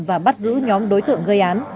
và bắt giữ nhóm đối tượng gây án